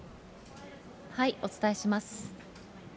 お伝えします。